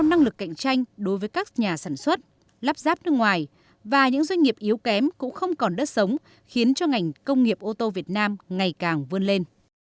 năng lực cạnh tranh đối với các nhà sản xuất lắp ráp nước ngoài và những doanh nghiệp yếu kém cũng không còn đất sống khiến cho ngành công nghiệp ô tô việt nam ngày càng vươn lên